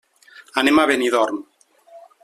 Anem a Benidorm.